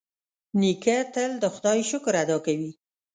نیکه تل د خدای شکر ادا کوي.